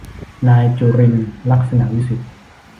นายจุรินทร์ ลักษณวิศิษฏ์